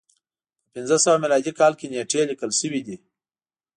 په پنځه سوه میلادي کال کې نېټې لیکل شوې دي.